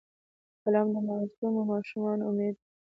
قلم د معصومو ماشومانو امید دی